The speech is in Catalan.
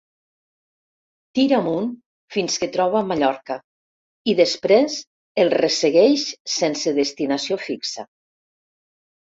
Tira amunt fins que troba Mallorca i després el ressegueix sense destinació fixa.